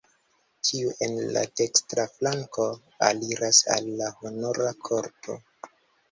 Tiu en la dekstra flanko aliras al la honora korto.